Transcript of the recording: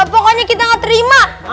pokoknya kita gak terima